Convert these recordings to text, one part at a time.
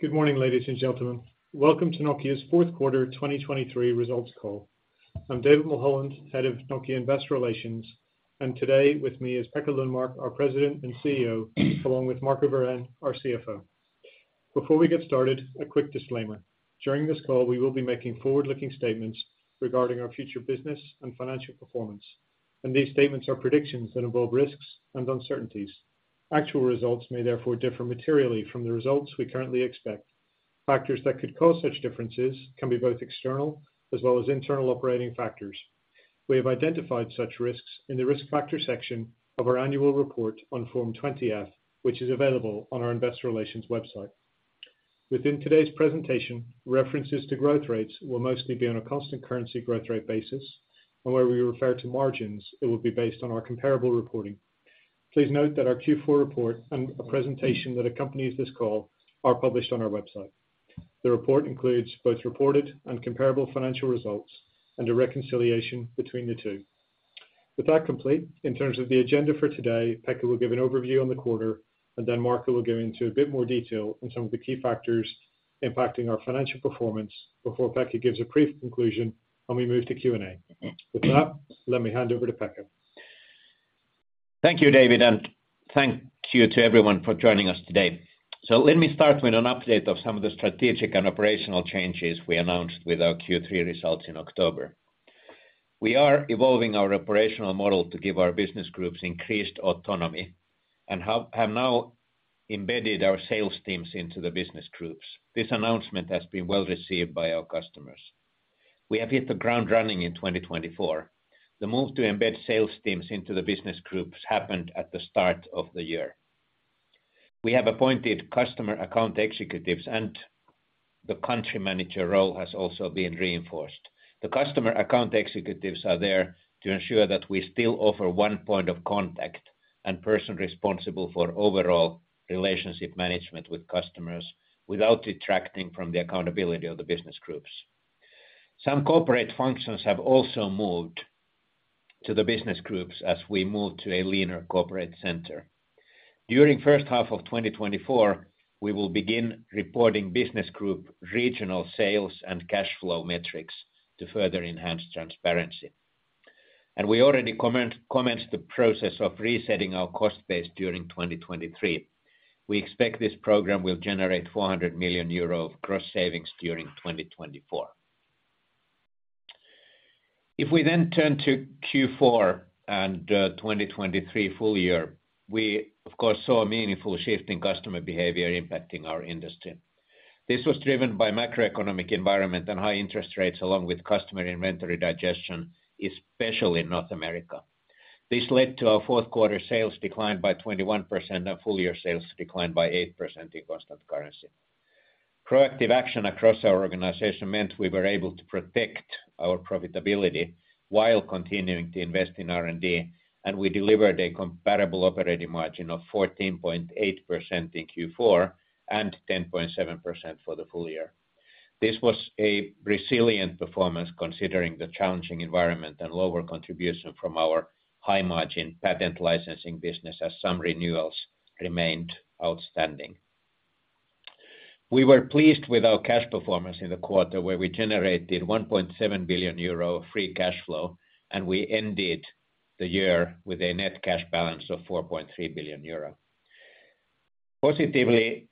Good morning, ladies and gentlemen. Welcome to Nokia's fourth quarter 2023 results call. I'm David Mulholland, Head of Nokia Investor Relations, and today with me is Pekka Lundmark, our President and CEO, along with Marco Wirén, our CFO. Before we get started, a quick disclaimer: During this call, we will be making forward-looking statements regarding our future business and financial performance, and these statements are predictions that involve risks and uncertainties. Actual results may therefore differ materially from the results we currently expect. Factors that could cause such differences can be both external as well as internal operating factors. We have identified such risks in the risk factor section of our annual report on Form 20-F, which is available on our investor relations website. Within today's presentation, references to growth rates will mostly be on a constant currency growth rate basis, and where we refer to margins, it will be based on our comparable reporting. Please note that our Q4 report and a presentation that accompanies this call are published on our website. The report includes both reported and comparable financial results and a reconciliation between the two. With that complete, in terms of the agenda for today, Pekka will give an overview on the quarter, and then Marco will go into a bit more detail on some of the key factors impacting our financial performance before Pekka gives a brief conclusion when we move to Q&A. With that, let me hand over to Pekka. Thank you, David, and thank you to everyone for joining us today. So let me start with an update of some of the strategic and operational changes we announced with our Q3 results in October. We are evolving our operational model to give our business groups increased autonomy and have now embedded our sales teams into the business groups. This announcement has been well received by our customers. We have hit the ground running in 2024. The move to embed sales teams into the business groups happened at the start of the year. We have appointed customer account executives, and the country manager role has also been reinforced. The customer account executives are there to ensure that we still offer one point of contact and person responsible for overall relationship management with customers, without detracting from the accountability of the business groups. Some corporate functions have also moved to the business groups as we move to a leaner corporate center. During first half of 2024, we will begin reporting business group, regional sales and cash flow metrics to further enhance transparency. We already commenced the process of resetting our cost base during 2023. We expect this program will generate 400 million euro of gross savings during 2024. If we then turn to Q4 and 2023 full year, we, of course, saw a meaningful shift in customer behavior impacting our industry. This was driven by macroeconomic environment and high interest rates, along with customer inventory digestion, especially in North America. This led to our fourth quarter sales declined by 21%, and full year sales declined by 8% in constant currency. Proactive action across our organization meant we were able to protect our profitability while continuing to invest in R&D, and we delivered a comparable operating margin of 14.8% in Q4, and 10.7% for the full year. This was a resilient performance, considering the challenging environment and lower contribution from our high-margin patent licensing business, as some renewals remained outstanding. We were pleased with our cash performance in the quarter, where we generated 1.7 billion euro free cash flow, and we ended the year with a net cash balance of 4.3 billion euro. Positively,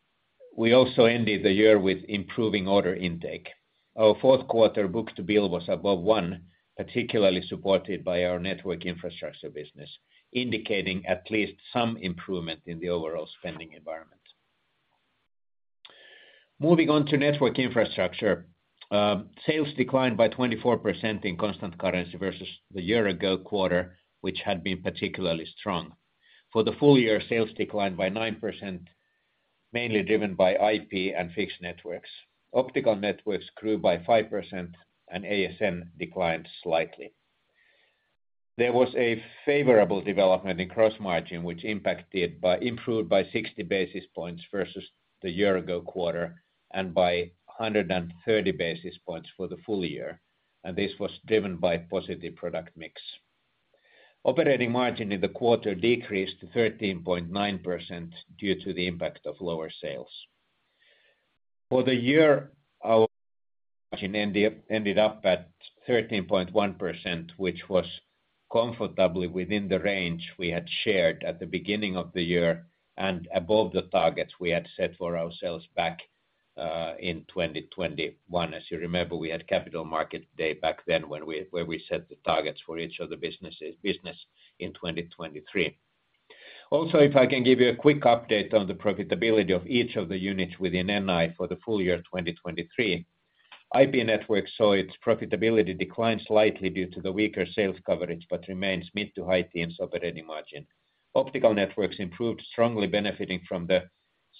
we also ended the year with improving order intake. Our fourth quarter book-to-bill was above 1, particularly supported by our Network Infrastructure business, indicating at least some improvement in the overall spending environment. Moving on to Network Infrastructure, sales declined by 24% in constant currency versus the year-ago quarter, which had been particularly strong. For the full year, sales declined by 9%, mainly driven by IP Networks and Fixed Networks. Optical Networks grew by 5%, and ASN declined slightly. There was a favorable development in gross margin, which improved by 60 basis points versus the year-ago quarter and by 130 basis points for the full year, and this was driven by positive product mix. Operating margin in the quarter decreased to 13.9% due to the impact of lower sales. For the year, our margin ended up at 13.1%, which was comfortably within the range we had shared at the beginning of the year and above the targets we had set for ourselves back in 2021. As you remember, we had Capital Markets Day back then, where we set the targets for each of the businesses, business in 2023. Also, if I can give you a quick update on the profitability of each of the units within NI for the full year 2023. IP Networks saw its profitability decline slightly due to the weaker sales coverage, but remains mid- to high-teens operating margin. Optical Networks improved, strongly benefiting from the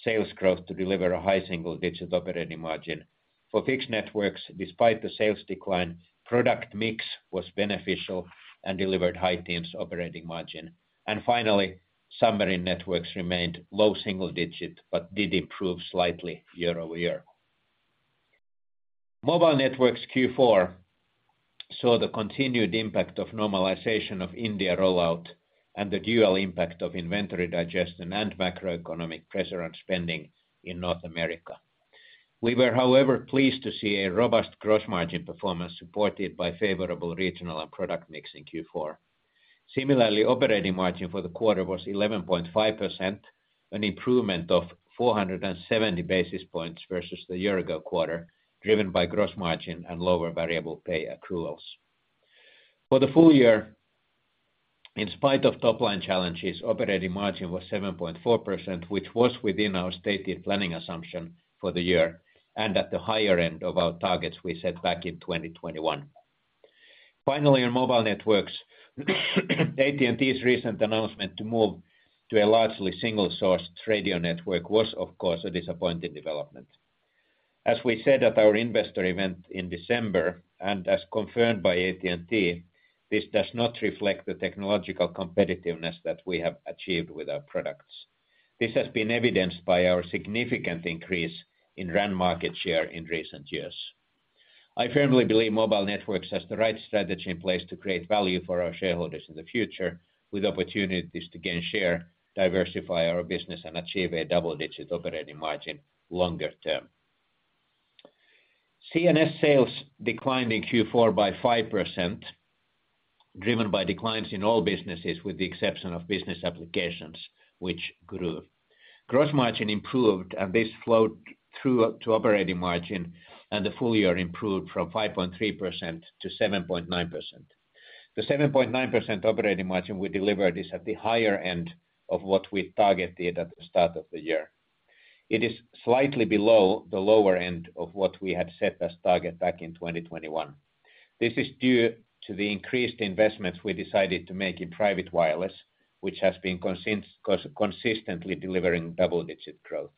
sales growth to deliver a high single-digit operating margin. For Fixed Networks, despite the sales decline, product mix was beneficial and delivered high-teens operating margin. And finally, Submarine Networks remained low single-digit, but did improve slightly year-over-year. Mobile Networks Q4 saw the continued impact of normalization of India rollout and the dual impact of inventory digestion and macroeconomic pressure on spending in North America. We were, however, pleased to see a robust gross margin performance, supported by favorable regional and product mix in Q4. Similarly, operating margin for the quarter was 11.5%, an improvement of 470 basis points versus the year ago quarter, driven by gross margin and lower variable pay accruals. For the full year, in spite of top line challenges, operating margin was 7.4%, which was within our stated planning assumption for the year and at the higher end of our targets we set back in 2021. Finally, on Mobile Networks, AT&T's recent announcement to move to a largely single source radio network was, of course, a disappointing development. As we said at our investor event in December, and as confirmed by AT&T, this does not reflect the technological competitiveness that we have achieved with our products. This has been evidenced by our significant increase in RAN market share in recent years. I firmly believe Mobile Networks has the right strategy in place to create value for our shareholders in the future, with opportunities to gain share, diversify our business, and achieve a double-digit operating margin longer term. CNS sales declined in Q4 by 5%, driven by declines in all businesses, with the exception of Business Applications, which grew. Gross margin improved, and this flowed through to operating margin, and the full year improved from 5.3% to 7.9%. The 7.9% operating margin we delivered is at the higher end of what we targeted at the start of the year. It is slightly below the lower end of what we had set as target back in 2021. This is due to the increased investments we decided to make in private wireless, which has been consistently delivering double-digit growth.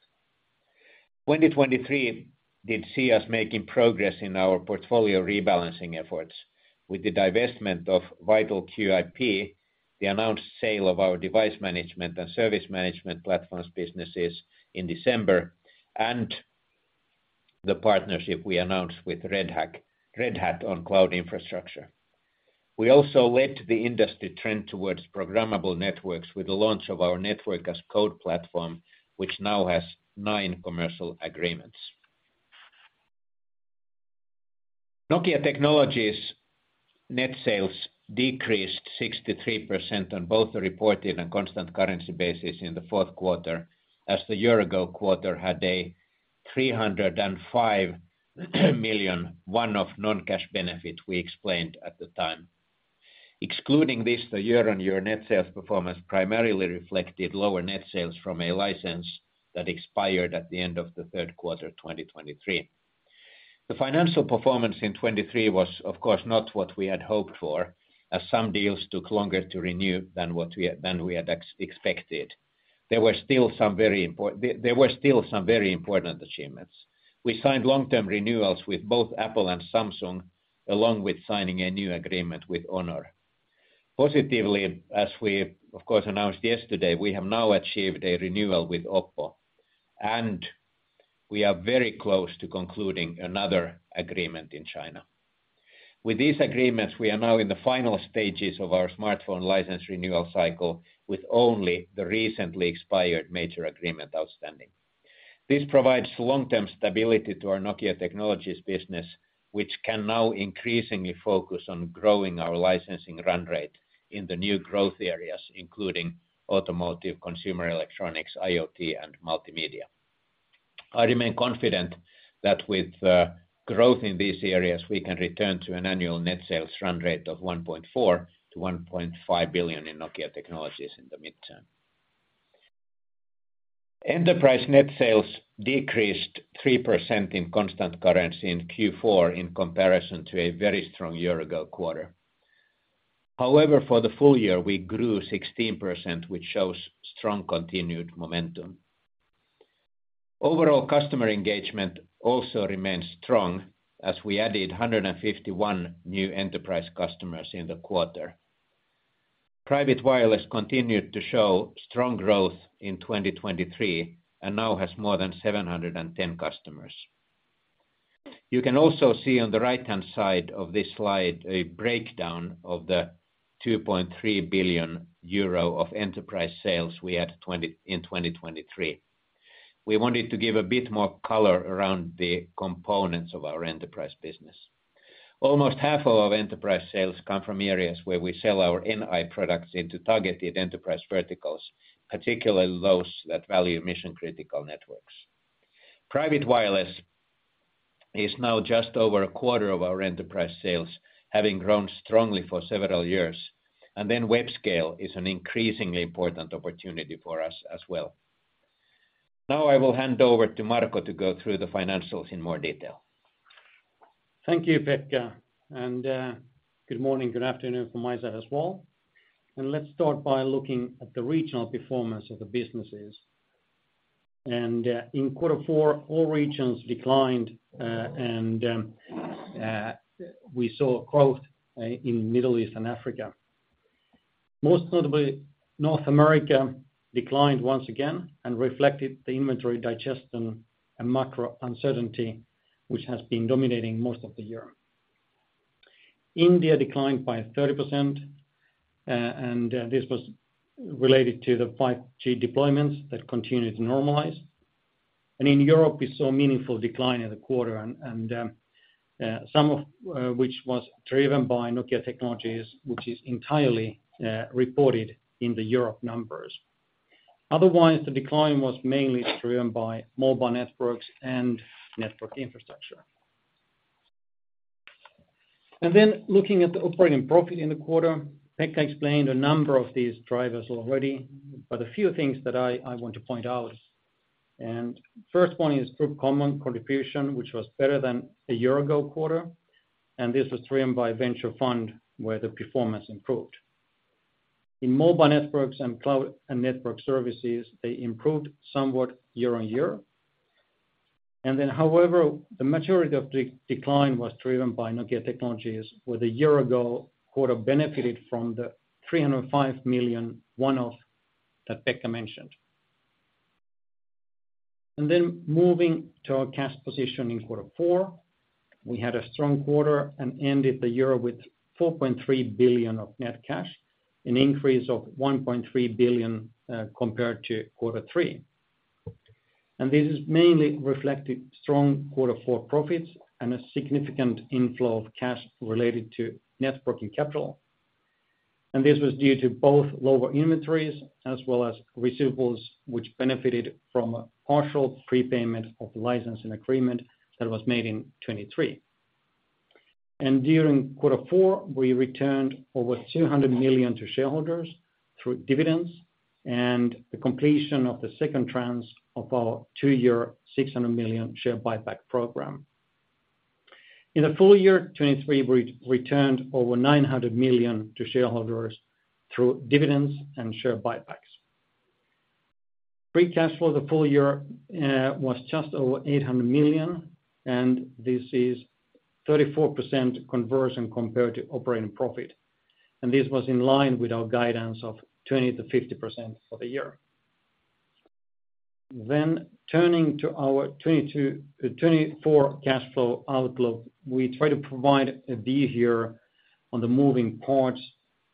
2023 did see us making progress in our portfolio rebalancing efforts with the divestment of VitalQIP, the announced sale of our device management and service management platforms businesses in December, and the partnership we announced with Red Hat on cloud infrastructure. We also led the industry trend towards programmable networks with the launch of our Network as Code platform, which now has nine commercial agreements. Nokia Technologies net sales decreased 63% on both the reported and constant currency basis in the fourth quarter, as the year ago quarter had a 305 million one-off non-cash benefit we explained at the time. Excluding this, the year-on-year net sales performance primarily reflected lower net sales from a license that expired at the end of the third quarter, 2023. The financial performance in 2023 was, of course, not what we had hoped for, as some deals took longer to renew than we had expected. There were still some very important achievements. We signed long-term renewals with both Apple and Samsung, along with signing a new agreement with Honor. Positively, as we, of course, announced yesterday, we have now achieved a renewal with OPPO, and we are very close to concluding another agreement in China. With these agreements, we are now in the final stages of our smartphone license renewal cycle, with only the recently expired major agreement outstanding. This provides long-term stability to our Nokia Technologies business, which can now increasingly focus on growing our licensing run rate in the new growth areas, including automotive, consumer electronics, IoT, and multimedia. I remain confident that with growth in these areas, we can return to an annual net sales run rate of 1.4 billion-1.5 billion in Nokia Technologies in the midterm. Enterprise net sales decreased 3% in constant currency in Q4, in comparison to a very strong year-ago quarter. However, for the full year, we grew 16%, which shows strong continued momentum. Overall, customer engagement also remains strong, as we added 151 new enterprise customers in the quarter. Private wireless continued to show strong growth in 2023, and now has more than 710 customers. You can also see on the right-hand side of this slide, a breakdown of the 2.3 billion euro of enterprise sales we had in 2023. We wanted to give a bit more color around the components of our enterprise business. Almost half of our enterprise sales come from areas where we sell our NI products into targeted enterprise verticals, particularly those that value mission-critical networks. Private wireless is now just over a quarter of our enterprise sales, having grown strongly for several years, and then Webscale is an increasingly important opportunity for us as well. Now, I will hand over to Marco to go through the financials in more detail. Thank you, Pekka, and good morning, good afternoon from my side as well. Let's start by looking at the regional performance of the businesses. In quarter four, all regions declined, and we saw growth in Middle East and Africa. Most notably, North America declined once again and reflected the inventory digestion and macro uncertainty, which has been dominating most of the year. India declined by 30%, and this was related to the 5G deployments that continue to normalize. In Europe, we saw a meaningful decline in the quarter and some of which was driven by Nokia Technologies, which is entirely reported in the Europe numbers. Otherwise, the decline was mainly driven by Mobile Networks and Network Infrastructure. Then looking at the operating profit in the quarter, Pekka explained a number of these drivers already, but a few things that I want to point out. First one is group common contribution, which was better than a year-ago quarter, and this was driven by venture fund, where the performance improved. In Mobile Networks and Cloud and Network Services, they improved somewhat year-on-year. However, the majority of the decline was driven by Nokia Technologies, where the year-ago quarter benefited from the 305 million one-off that Pekka mentioned. Then moving to our cash position in quarter four, we had a strong quarter and ended the year with 4.3 billion of net cash, an increase of 1.3 billion compared to quarter three. This is mainly reflected strong quarter four profits and a significant inflow of cash related to net working capital. And this was due to both lower inventories as well as receivables, which benefited from a partial prepayment of licensing agreement that was made in 2023. And during quarter four, we returned over 200 million to shareholders through dividends and the completion of the second tranche of our two-year, 600 million share buyback program. In the full year 2023, we returned over 900 million to shareholders through dividends and share buybacks. Free cash flow, the full year, was just over 800 million, and this is 34% conversion compared to operating profit. And this was in line with our guidance of 20%-50% for the year. Then turning to our 2024 cash flow outlook, we try to provide a view here on the moving parts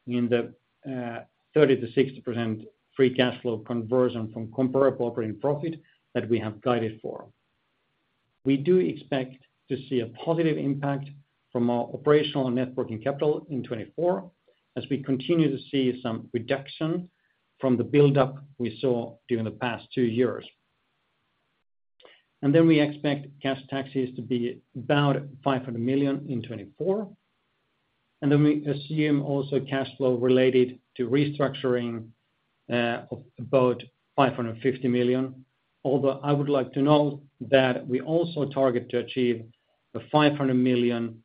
in the 30%-60% free cash flow conversion from comparable operating profit that we have guided for. We do expect to see a positive impact from our net working capital in 2024, as we continue to see some reduction from the buildup we saw during the past two years. We expect cash taxes to be about 500 million in 2024. We assume also cash flow related to restructuring of about 550 million. Although, I would like to note that we also target to achieve the 500 million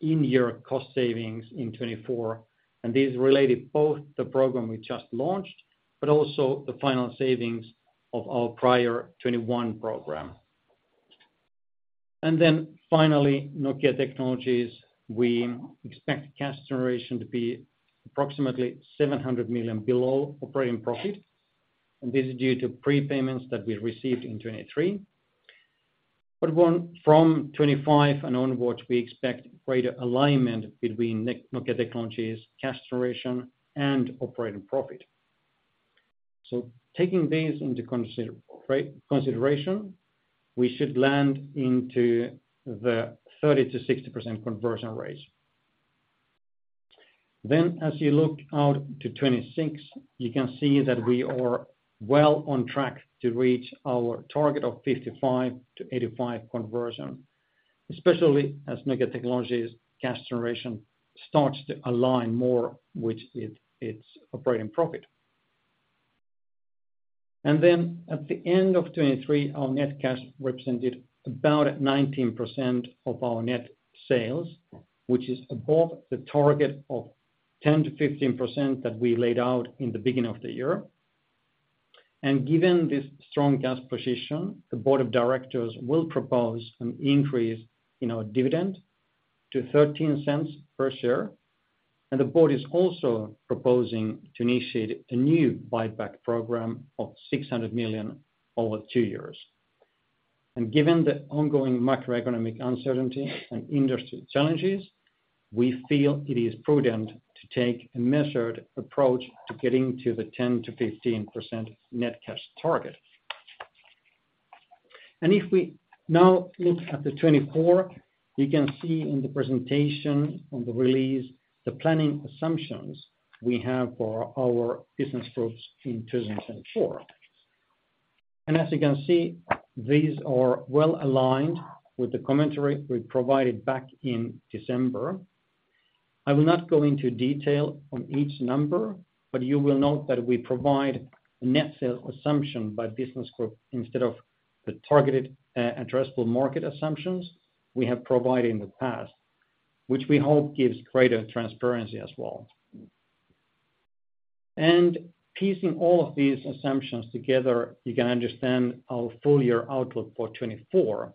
in year cost savings in 2024, and these related both the program we just launched, but also the final savings of our prior 2021 program. And then finally, Nokia Technologies, we expect cash generation to be approximately 700 million below operating profit, and this is due to prepayments that we received in 2023. But one, from 2025 and onwards, we expect greater alignment between Nokia Technologies cash generation and operating profit. So taking this into consideration, we should land into the 30%-60% conversion rate. Then as you look out to 2026, you can see that we are well on track to reach our target of 55%-85% conversion, especially as Nokia Technologies cash generation starts to align more with its operating profit. And then at the end of 2023, our net cash represented about 19% of our net sales, which is above the target of 10%-15% that we laid out in the beginning of the year. Given this strong cash position, the board of directors will propose an increase in our dividend to 0.13 per share, and the board is also proposing to initiate a new buyback program of 600 million over two years. Given the ongoing macroeconomic uncertainty and industry challenges, we feel it is prudent to take a measured approach to getting to the 10%-15% net cash target. If we now look at the 2024, you can see in the presentation on the release, the planning assumptions we have for our business groups in 2024. As you can see, these are well aligned with the commentary we provided back in December. I will not go into detail on each number, but you will note that we provide a net sales assumption by business group instead of the targeted addressable market assumptions we have provided in the past, which we hope gives greater transparency as well. Piecing all of these assumptions together, you can understand our full year outlook for 2024.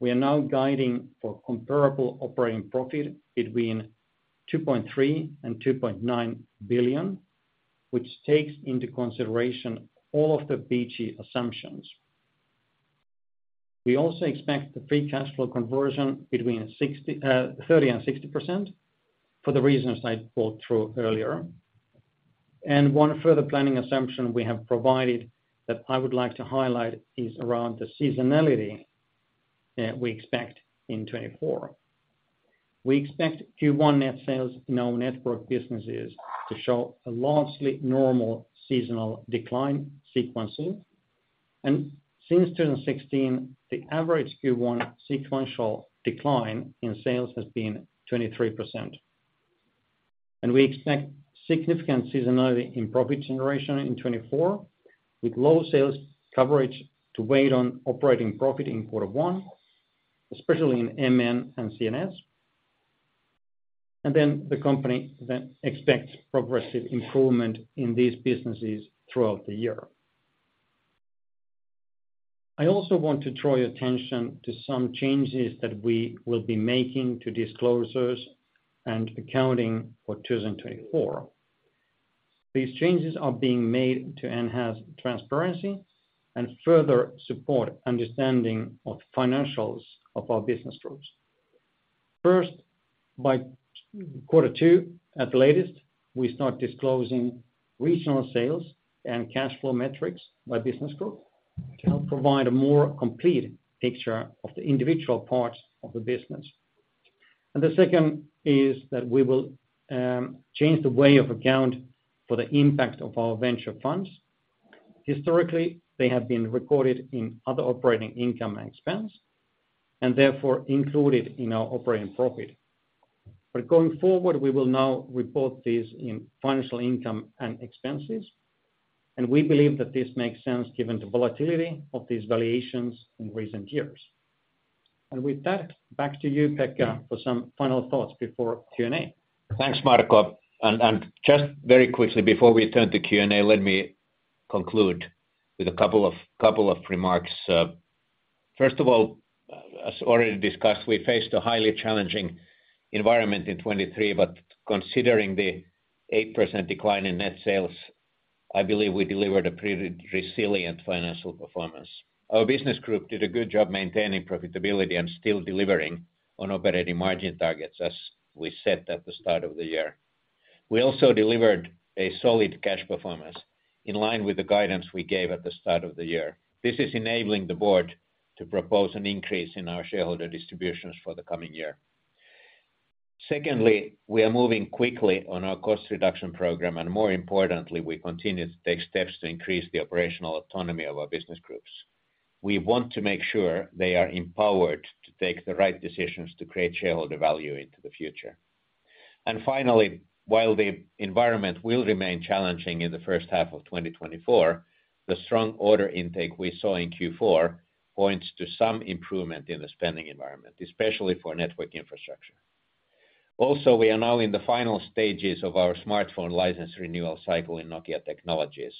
We are now guiding for comparable operating profit between 2.3 billion and 2.9 billion, which takes into consideration all of the BG assumptions. We also expect the free cash flow conversion between 30% and 60%, for the reasons I brought through earlier. One further planning assumption we have provided, that I would like to highlight, is around the seasonality we expect in 2024. We expect Q1 net sales in our network businesses to show a largely normal seasonal decline sequencing. Since 2016, the average Q1 sequential decline in sales has been 23%. We expect significant seasonality in profit generation in 2024, with low sales coverage to weigh on operating profit in quarter one, especially in MN and CNS. The company expects progressive improvement in these businesses throughout the year. I also want to draw your attention to some changes that we will be making to disclosures and accounting for 2024. These changes are being made to enhance transparency and further support understanding of financials of our business groups. First, by quarter two, at the latest, we start disclosing regional sales and cash flow metrics by business group, to help provide a more complete picture of the individual parts of the business. And the second is that we will change the way of account for the impact of our venture funds. Historically, they have been recorded in other operating income and expense, and therefore included in our operating profit. But going forward, we will now report this in financial income and expenses, and we believe that this makes sense given the volatility of these valuations in recent years. And with that, back to you, Pekka, for some final thoughts before Q&A. Thanks, Marco. And just very quickly before we turn to Q&A, let me conclude with a couple of remarks. First of all, as already discussed, we faced a highly challenging environment in 2023, but considering the 8% decline in net sales, I believe we delivered a pretty resilient financial performance. Our business group did a good job maintaining profitability and still delivering on operating margin targets, as we said at the start of the year. We also delivered a solid cash performance, in line with the guidance we gave at the start of the year. This is enabling the board to propose an increase in our shareholder distributions for the coming year. Secondly, we are moving quickly on our cost reduction program, and more importantly, we continue to take steps to increase the operational autonomy of our business groups. We want to make sure they are empowered to take the right decisions to create shareholder value into the future. Finally, while the environment will remain challenging in the first half of 2024, the strong order intake we saw in Q4 points to some improvement in the spending environment, especially for Network Infrastructure. Also, we are now in the final stages of our smartphone license renewal cycle in Nokia Technologies.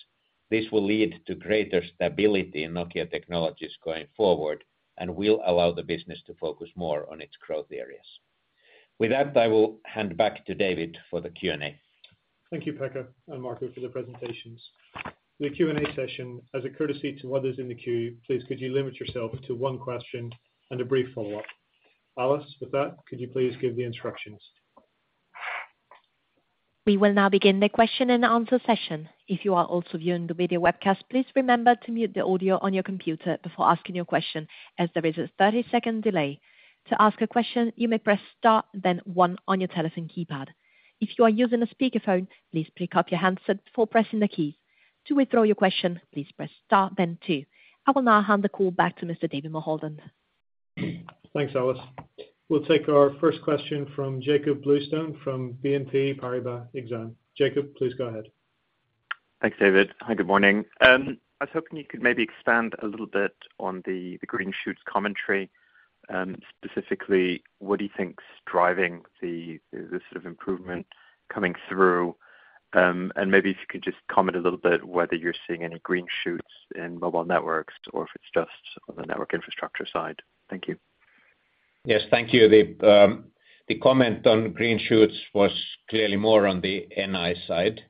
This will lead to greater stability in Nokia Technologies going forward and will allow the business to focus more on its growth areas. With that, I will hand back to David for the Q&A. Thank you, Pekka and Marco, for the presentations. The Q&A session, as a courtesy to others in the queue, please, could you limit yourself to one question and a brief follow-up? Alice, with that, could you please give the instructions? We will now begin the question and answer session. If you are also viewing the video webcast, please remember to mute the audio on your computer before asking your question, as there is a 30-second delay. To ask a question, you may press star, then one on your telephone keypad. If you are using a speakerphone, please pick up your handset before pressing the key. To withdraw your question, please press star, then two. I will now hand the call back to Mr. David Mulholland. Thanks, Alice. We'll take our first question from Jakob Bluestone, from BNP Paribas Exane. Jakob, please go ahead. Thanks, David. Hi, good morning. I was hoping you could maybe expand a little bit on the green shoots commentary. Specifically, what do you think is driving the sort of improvement coming through? And maybe if you could just comment a little bit whether you're seeing any green shoots in Mobile Networks, or if it's just on the Network Infrastructure side. Thank you. Yes, thank you. The comment on green shoots was clearly more on the NI side.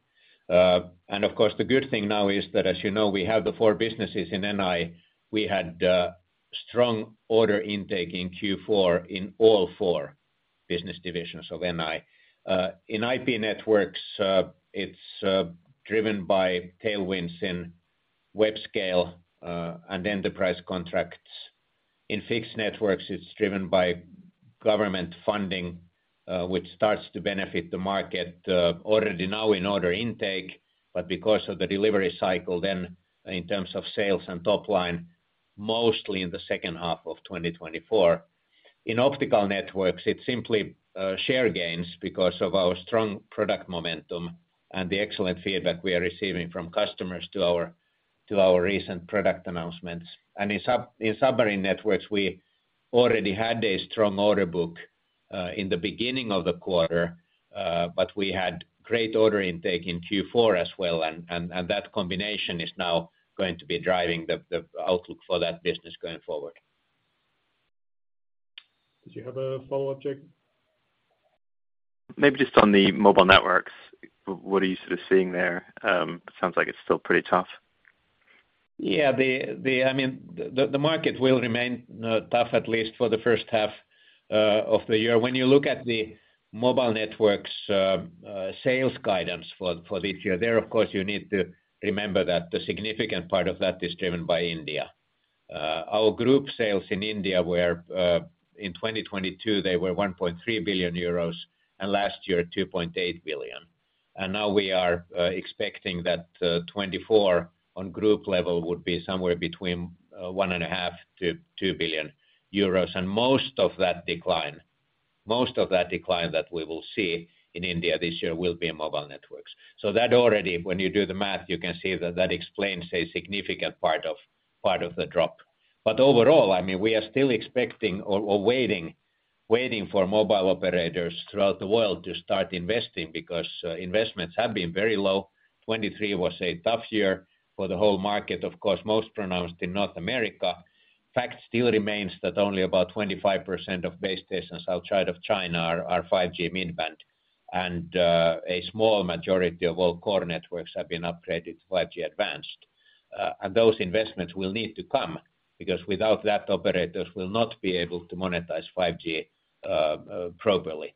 And of course, the good thing now is that, as you know, we have the four businesses in NI. We had strong order intake in Q4 in all four business divisions of NI. In IP Networks, it's driven by tailwinds in Webscale, and enterprise contracts. In Fixed Networks, it's driven by government funding, which starts to benefit the market, already now in order intake. But because of the delivery cycle then, in terms of sales and top line, mostly in the second half of 2024. In Optical Networks, it's simply share gains because of our strong product momentum and the excellent feedback we are receiving from customers to our, to our recent product announcements. In Submarine Networks, we already had a strong order book in the beginning of the quarter, but we had great order intake in Q4 as well, and that combination is now going to be driving the outlook for that business going forward. Did you have a follow-up, Jakob? Maybe just on the Mobile Networks, what are you sort of seeing there? It sounds like it's still pretty tough. Yeah, I mean, the market will remain tough, at least for the first half of the year. When you look at the Mobile Networks sales guidance for this year, of course, you need to remember that the significant part of that is driven by India. Our group sales in India were, in 2022, they were 1.3 billion euros, and last year, 2.8 billion. And now we are expecting that 2024 on group level would be somewhere between 1.5 billion-2 billion euros. And most of that decline that we will see in India this year will be in Mobile Networks. So that already, when you do the math, you can see that that explains a significant part of the drop. But overall, I mean, we are still expecting or waiting for mobile operators throughout the world to start investing because investments have been very low. 2023 was a tough year for the whole market, of course, most pronounced in North America. Fact still remains that only about 25% of base stations outside of China are 5G mid-band, and a small majority of all core networks have been upgraded to 5G Advanced. And those investments will need to come, because without that, operators will not be able to monetize 5G properly.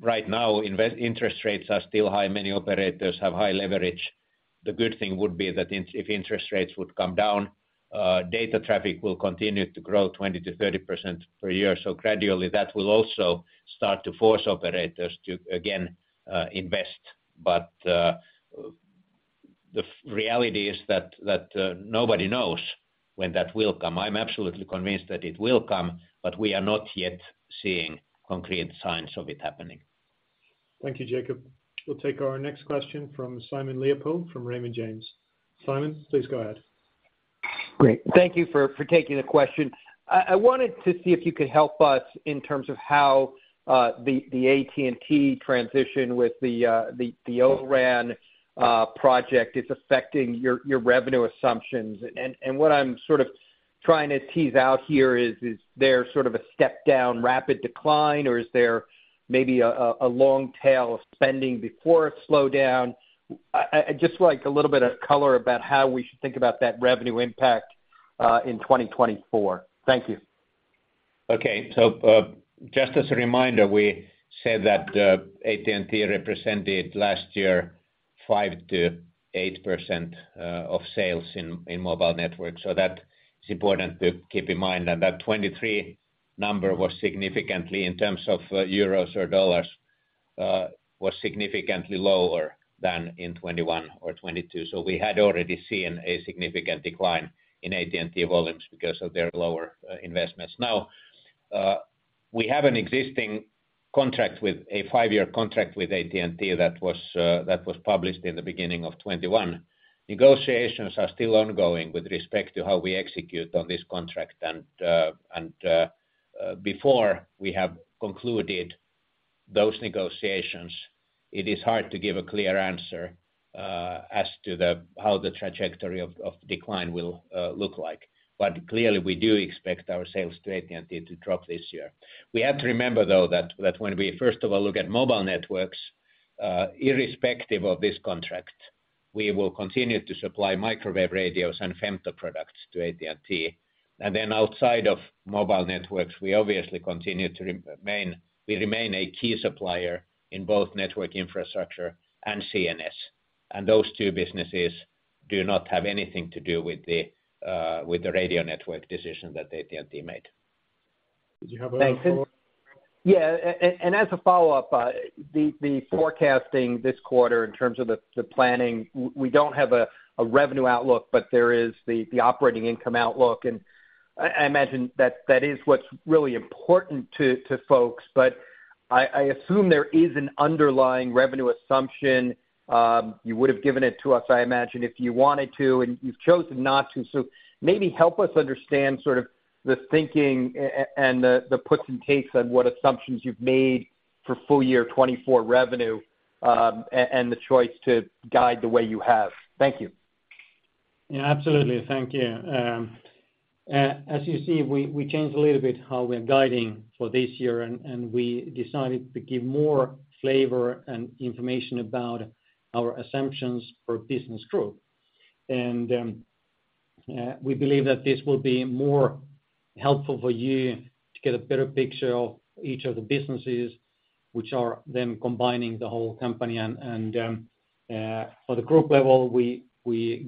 Right now, interest rates are still high, many operators have high leverage. The good thing would be that if interest rates would come down, data traffic will continue to grow 20%-30% per year. So gradually, that will also start to force operators to again invest. But the reality is that nobody knows when that will come. I'm absolutely convinced that it will come, but we are not yet seeing concrete signs of it happening. Thank you, Jakob. We'll take our next question from Simon Leopold from Raymond James. Simon, please go ahead. Great. Thank you for taking the question. I wanted to see if you could help us in terms of how the AT&T transition with the O-RAN project is affecting your revenue assumptions. And what I'm sort of trying to tease out here is there sort of a step down rapid decline, or is there maybe a long tail of spending before a slowdown? I'd just like a little bit of color about how we should think about that revenue impact in 2024. Thank you. Okay. So, just as a reminder, we said that AT&T represented last year 5%-8% of sales in Mobile Networks. So that is important to keep in mind. And that 2023 number was significantly, in terms of euros or dollars, was significantly lower than in 2021 or 2022. So we had already seen a significant decline in AT&T volumes because of their lower investments. Now, we have an existing contract with, a 5-year contract with AT&T that was published in the beginning of 2021. Negotiations are still ongoing with respect to how we execute on this contract. And before we have concluded those negotiations, it is hard to give a clear answer as to how the trajectory of decline will look like. But clearly, we do expect our sales to AT&T to drop this year. We have to remember, though, that when we first of all look at Mobile Networks, irrespective of this contract, we will continue to supply microwave radios and Femto products to AT&T. And then outside of Mobile Networks, we obviously continue to remain—we remain a key supplier in both Network Infrastructure and CNS, and those two businesses do not have anything to do with the radio network decision that AT&T made. Did you have a follow-up? Thanks. Yeah, and as a follow-up, the forecasting this quarter in terms of the planning, we don't have a revenue outlook, but there is the operating income outlook, and I imagine that that is what's really important to folks. But I assume there is an underlying revenue assumption. You would've given it to us, I imagine, if you wanted to, and you've chosen not to. So maybe help us understand sort of the thinking and the puts and takes on what assumptions you've made for full year 2024 revenue, and the choice to guide the way you have. Thank you. Yeah, absolutely. Thank you. As you see, we changed a little bit how we're guiding for this year, and we decided to give more flavor and information about our assumptions for business growth. We believe that this will be more helpful for you to get a better picture of each of the businesses, which are then combining the whole company. For the group level, we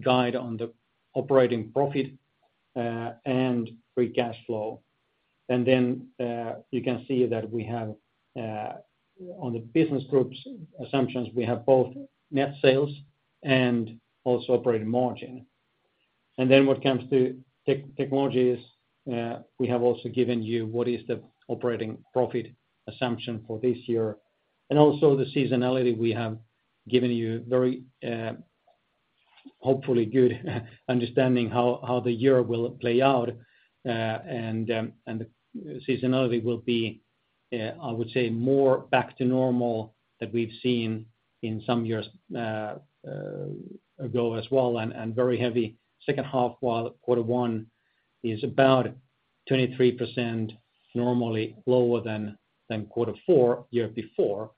guide on the operating profit and free cash flow. Then you can see that we have on the business groups assumptions, we have both net sales and also operating margin. Then when it comes to Technologies, we have also given you what is the operating profit assumption for this year, and also the seasonality we have given you very... Hopefully good understanding how the year will play out, and the seasonality will be, I would say more back to normal that we've seen in some years ago as well, and very heavy second half, while quarter one is about 23% normally lower than quarter four, year before.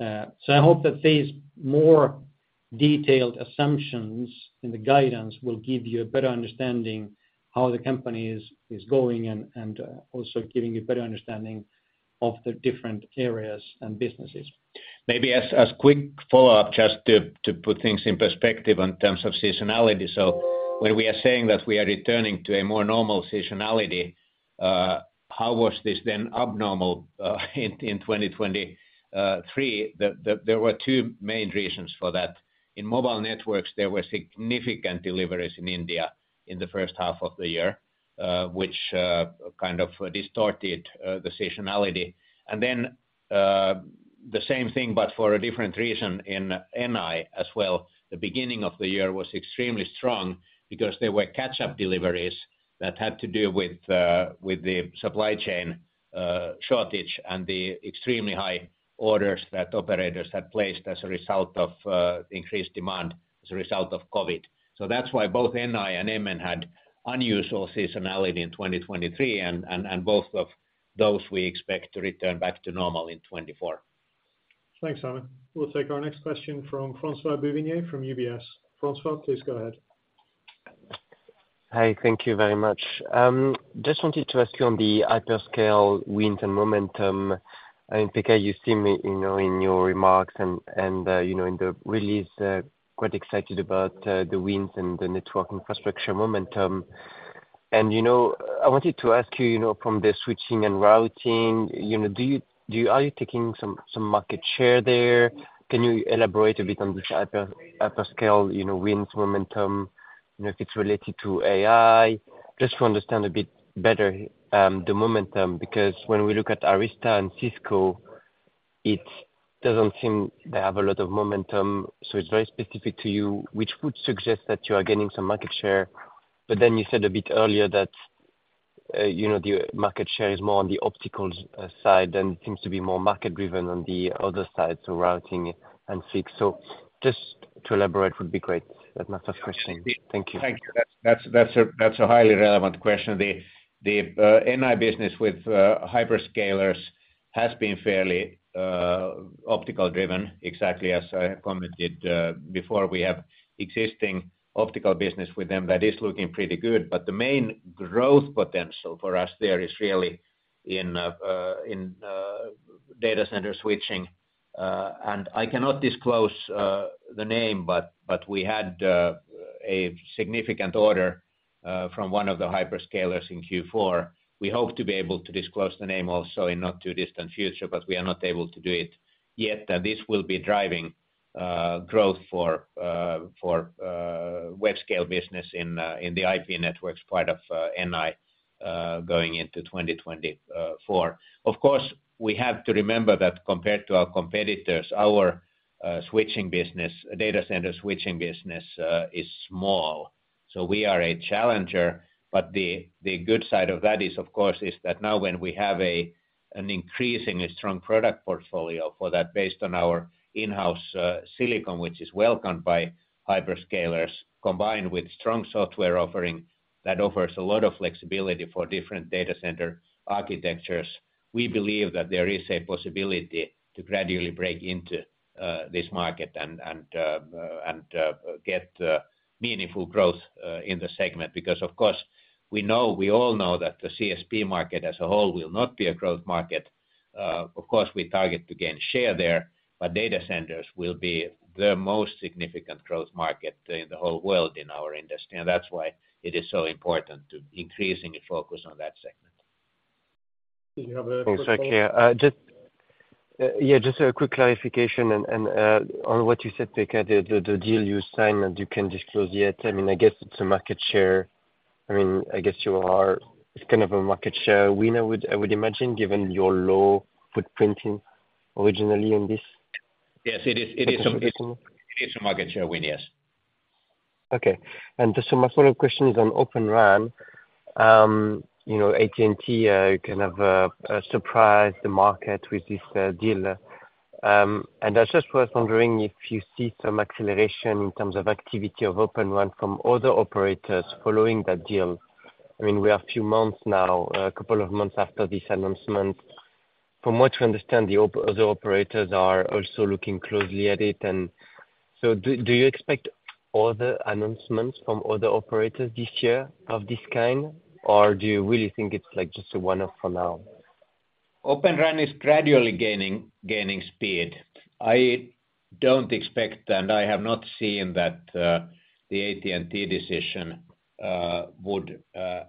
So I hope that these more detailed assumptions in the guidance will give you a better understanding how the company is going, and also giving you better understanding of the different areas and businesses. Maybe, as a quick follow-up, just to put things in perspective in terms of seasonality. So when we are saying that we are returning to a more normal seasonality, how was this then abnormal in 2023? There were two main reasons for that. In Mobile Networks, there were significant deliveries in India in the first half of the year, which kind of distorted the seasonality. And then, the same thing, but for a different reason in NI as well. The beginning of the year was extremely strong because there were catch-up deliveries that had to do with the supply chain shortage, and the extremely high orders that operators had placed as a result of increased demand as a result of COVID. So that's why both NI and MN had unusual seasonality in 2023, and both of those we expect to return back to normal in 2024. Thanks, Simon. We'll take our next question from François Bouvignies from UBS. François, please go ahead. Hi, thank you very much. Just wanted to ask you on the hyperscale wins and momentum, and, Pekka, you see me, you know, in your remarks and, you know, in the release, quite excited about the wins and the Network Infrastructure momentum. And, you know, I wanted to ask you, you know, from the switching and routing, you know, do you-- are you taking some market share there? Can you elaborate a bit on this hyperscale, you know, wins, momentum, you know, if it's related to AI? Just to understand a bit better, the momentum, because when we look at Arista and Cisco, it doesn't seem they have a lot of momentum, so it's very specific to you, which would suggest that you are gaining some market share. But then you said a bit earlier that, you know, the market share is more on the opticals side, than it seems to be more market driven on the other side, so routing and switching. So just to elaborate would be great. That's my first question. Thank you. Thank you. That's a highly relevant question. The NI business with hyperscalers has been fairly optical driven, exactly as I commented before. We have existing optical business with them that is looking pretty good, but the main growth potential for us there is really in data center switching. And I cannot disclose the name, but we had a significant order from one of the hyperscalers in Q4. We hope to be able to disclose the name also in not too distant future, but we are not able to do it yet. And this will be driving growth for Webscale business in the IP Networks part of NI going into 2024. Of course, we have to remember that compared to our competitors, our switching business, data center switching business, is small, so we are a challenger. But the good side of that is, of course, is that now when we have a an increasing strong product portfolio for that, based on our in-house silicon, which is welcomed by hyperscalers, combined with strong software offering, that offers a lot of flexibility for different data center architectures. We believe that there is a possibility to gradually break into this market and get meaningful growth in the segment. Because, of course, we know, we all know that the CSP market as a whole will not be a growth market. Of course, we target to gain share there, but data centers will be the most significant growth market in the whole world, in our industry, and that's why it is so important to increasingly focus on that segment. Do you have a- Thanks, Pekka. Just, yeah, just a quick clarification and on what you said, Pekka, the deal you signed, and you can't disclose yet. I mean, I guess it's a market share. I mean, I guess you are, it's kind of a market share win, I would imagine, given your low footprinting originally in this- Yes, it is.... It is a market share win, yes. Okay. Just so my follow-up question is on Open RAN. You know, AT&T kind of surprised the market with this deal. And I just was wondering if you see some acceleration in terms of activity of Open RAN from other operators following that deal. I mean, we are a few months now, a couple of months after this announcement. From what you understand, the other operators are also looking closely at it, and so do you expect other announcements from other operators this year, of this kind? Or do you really think it's like just a one-off for now? Open RAN is gradually gaining, gaining speed. I don't expect, and I have not seen that, the AT&T decision would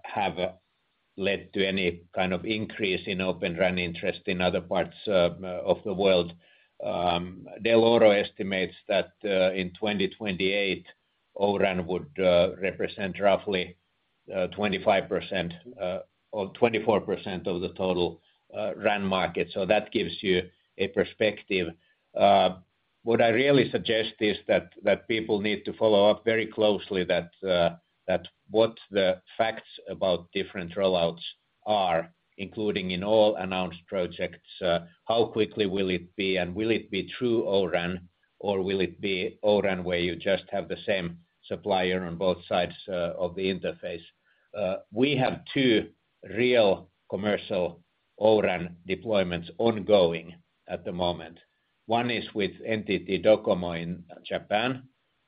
have led to any kind of increase in Open RAN interest in other parts of the world. Dell'Oro estimates that in 2028, O-RAN would represent roughly 25% or 24% of the total RAN market. So that gives you a perspective. What I really suggest is that people need to follow up very closely what the facts about different rollouts are, including in all announced projects, how quickly will it be? And will it be true O-RAN, or will it be O-RAN, where you just have the same supplier on both sides of the interface? We have two real commercial O-RAN deployments ongoing at the moment. One is with NTT DOCOMO in Japan,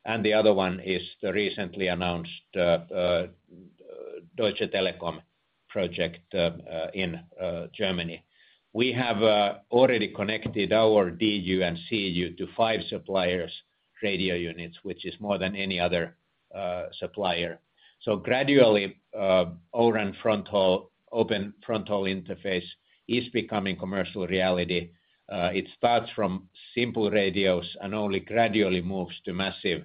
and the other one is the recently announced Deutsche Telekom project in Germany. We have already connected our DU and CU to five suppliers' radio units, which is more than any other supplier. So gradually, O-RAN fronthaul open fronthaul interface is becoming commercial reality. It starts from simple radios and only gradually moves to massive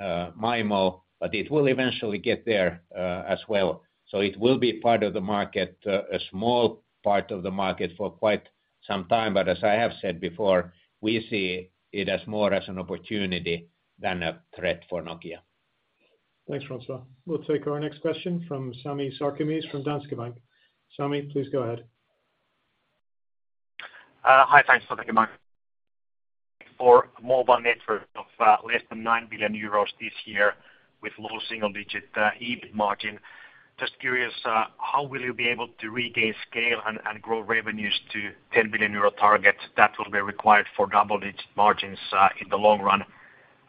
MIMO, but it will eventually get there as well. So it will be part of the market, a small part of the market for quite some time, but as I have said before, we see it as more as an opportunity than a threat for Nokia. Thanks, François. We'll take our next question from Sami Sarkamies, from Danske Bank. Sami, please go ahead. Hi. Thanks for taking my question for Mobile Networks of less than 9 billion euros this year, with low single-digit EBIT margin. Just curious, how will you be able to regain scale and grow revenues to 10 billion euro target that will be required for double-digit margins in the long run?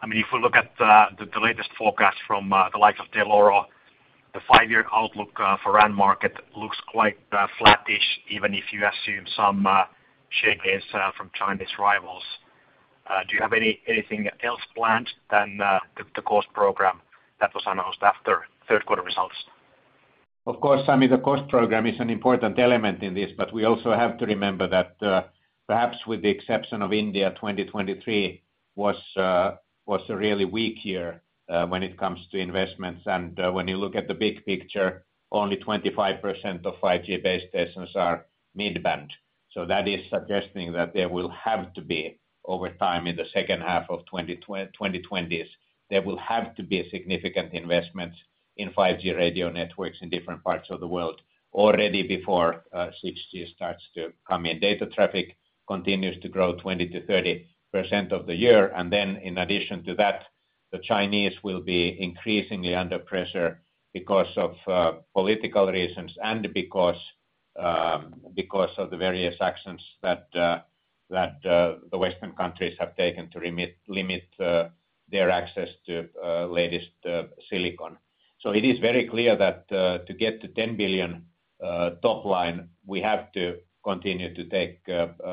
I mean, if we look at the latest forecast from the likes of Dell'Oro, the five-year outlook for RAN market looks quite flattish, even if you assume some share gains from Chinese rivals. Do you have anything else planned than the cost program that was announced after third quarter results? Of course, Sami, the cost program is an important element in this, but we also have to remember that, perhaps with the exception of India, 2023 was a really weak year when it comes to investments. And when you look at the big picture, only 25% of 5G base stations are mid-band. So that is suggesting that there will have to be, over time, in the second half of the 2020s, there will have to be significant investments in 5G radio networks in different parts of the world already before 6G starts to come in. Data traffic continues to grow 20%-30% of the year, and then in addition to that, the Chinese will be increasingly under pressure because of political reasons and because because of the various actions that that the Western countries have taken to limit their access to latest silicon. So it is very clear that to get to 10 billion top line, we have to continue to take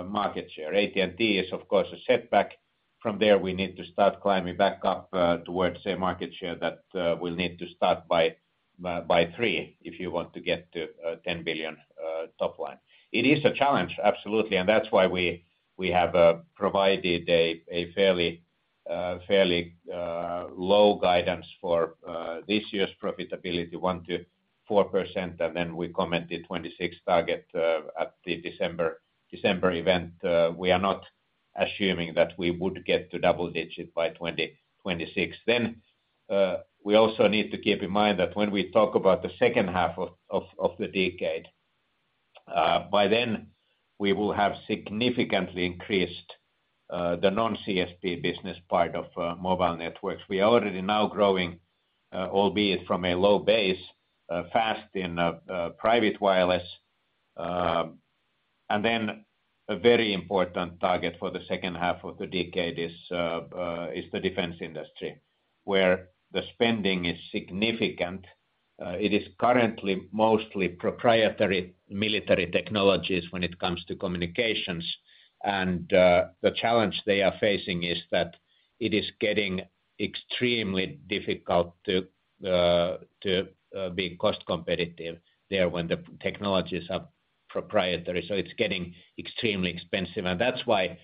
market share. AT&T is, of course, a setback. From there, we need to start climbing back up towards a market share that will need to start by by by 3, if you want to get to 10 billion top line. It is a challenge, absolutely, and that's why we have provided a fairly low guidance for this year's profitability, 1%-4%, and then we commented 2026 target at the December event. We are not assuming that we would get to double-digit by 2026. Then we also need to keep in mind that when we talk about the second half of the decade, by then we will have significantly increased the non-CSP business part of Mobile Networks. We are already now growing, albeit from a low base, fast in private wireless. And then a very important target for the second half of the decade is the defense industry, where the spending is significant. It is currently mostly proprietary military Technologies when it comes to communications, and the challenge they are facing is that it is getting extremely difficult to be cost competitive there when the Technologies are proprietary. So it's getting extremely expensive, and that's why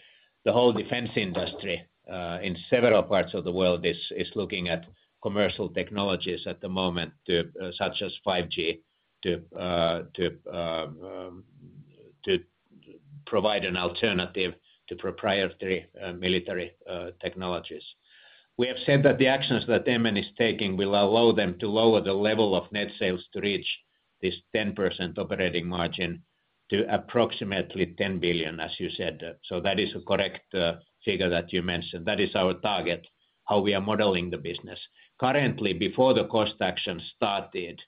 the whole defense industry in several parts of the world is looking at commercial Technologies at the moment to such as 5G, to provide an alternative to proprietary military Technologies. We have said that the actions that MN is taking will allow them to lower the level of net sales to reach this 10% operating margin to approximately 10 billion, as you said. So that is a correct figure that you mentioned. That is our target, how we are modeling the business. Currently, before the cost action started,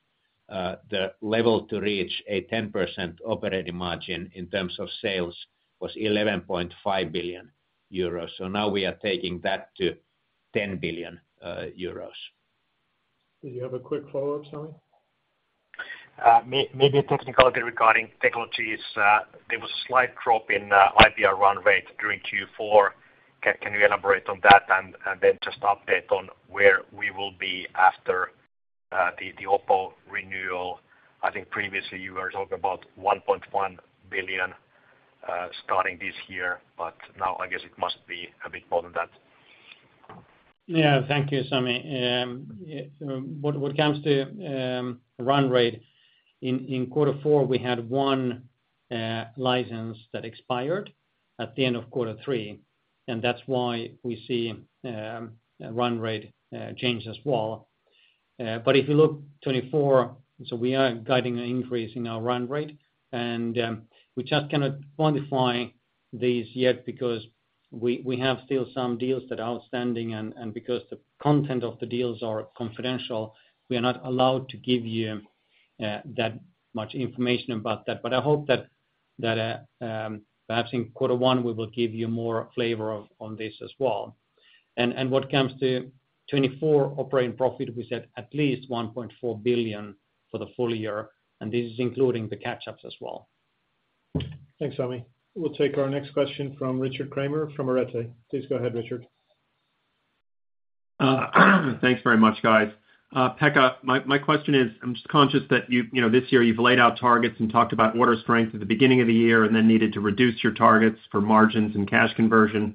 the level to reach a 10% operating margin in terms of sales was 11.5 billion euros. So now we are taking that to 10 billion euros. Do you have a quick follow-up, Sami? Maybe a technicality regarding Technologies. There was a slight drop in IPR run rate during Q4. Can you elaborate on that? Then just update on where we will be after the OPPO renewal. I think previously you were talking about 1.1 billion starting this year, but now I guess it must be a bit more than that.... Yeah, thank you, Sami. Yeah, so when it comes to run rate, in quarter four, we had one license that expired at the end of quarter three, and that's why we see a run rate change as well. But if you look 2024, so we are guiding an increase in our run rate, and we just cannot quantify these yet because we have still some deals that are outstanding, and because the content of the deals are confidential, we are not allowed to give you that much information about that. But I hope that, perhaps in quarter one, we will give you more flavor of, on this as well. What comes to 2024 operating profit, we said at least 1.4 billion for the full year, and this is including the catch-ups as well. Thanks, Sami. We'll take our next question from Richard Kramer from Arete. Please go ahead, Richard. Thanks very much, guys. Pekka, my question is, I'm just conscious that you've, you know, this year you've laid out targets and talked about order strength at the beginning of the year and then needed to reduce your targets for margins and cash conversion.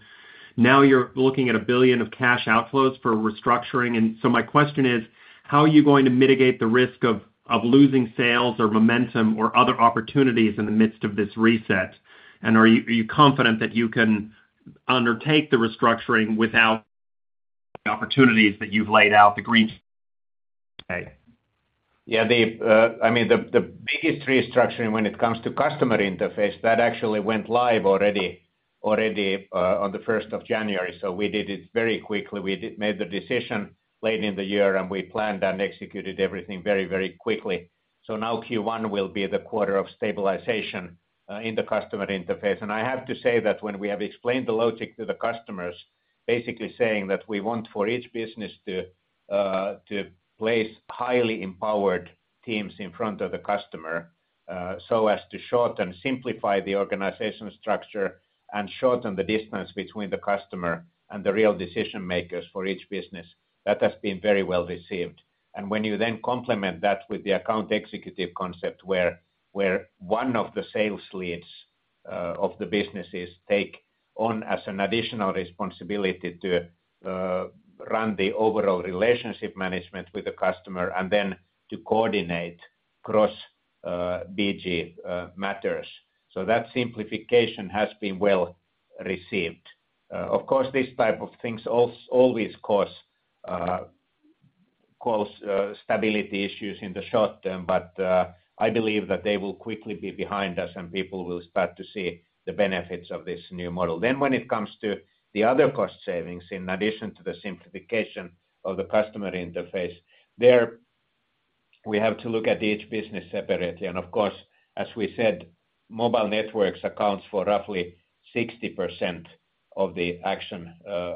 Now, you're looking at 1 billion of cash outflows for restructuring, and so my question is: How are you going to mitigate the risk of losing sales or momentum or other opportunities in the midst of this reset? And are you confident that you can undertake the restructuring without the opportunities that you've laid out, the green- Yeah, the, I mean, the biggest restructuring when it comes to customer interface, that actually went live already on the first of January. So we did it very quickly. We did made the decision late in the year, and we planned and executed everything very, very quickly. So now Q1 will be the quarter of stabilization in the customer interface. And I have to say that when we have explained the logic to the customers, basically saying that we want for each business to place highly empowered teams in front of the customer, so as to shorten, simplify the organizational structure and shorten the distance between the customer and the real decision makers for each business, that has been very well received. And when you then complement that with the account executive concept, where one of the sales leads of the businesses take on as an additional responsibility to run the overall relationship management with the customer and then to coordinate cross BG matters. So that simplification has been well received. Of course, these type of things always cause stability issues in the short term, but I believe that they will quickly be behind us, and people will start to see the benefits of this new model. Then when it comes to the other cost savings, in addition to the simplification of the customer interface, there we have to look at each business separately. Of course, as we said, Mobile Networks accounts for roughly 60% of the action